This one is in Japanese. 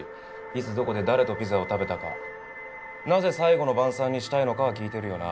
いつどこで誰とピザを食べたかなぜ最後の晩餐にしたいのかは聞いてるよな？